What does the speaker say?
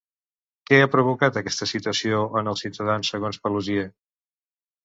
Què ha provocat aquesta situació en els ciutadans, segons Paluzie?